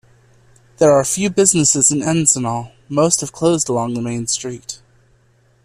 There are few businesses in Encinal; most have closed along the main street.